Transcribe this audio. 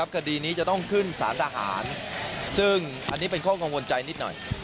คดีนี้จะต้องขึ้นสารทหารซึ่งอันนี้เป็นข้อกังวลใจนิดหน่อย